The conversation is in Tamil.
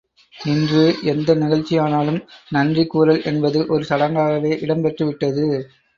இன்று எந்த நிகழ்ச்சியானாலும் நன்றி கூறல் என்பது ஒரு சடங்காக இடம் பெற்றுவிட்டது.